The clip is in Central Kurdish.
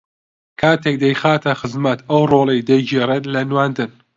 کاتێک دەیخاتە خزمەت ئەو ڕۆڵەی دەیگێڕێت لە نواندن